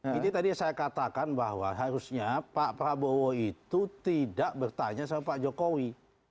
jadi tadi saya katakan bahwa harusnya pak prabowo itu tidak bertanya sama pak jokowi